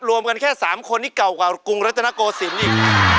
รวมกันแค่๓คนที่เก่ากว่ากรุงรัตนโกศิลป์อีก